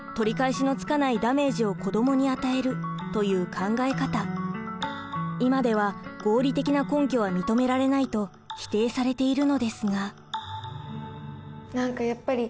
３つ目の理由は今では合理的な根拠は認められないと否定されているのですが。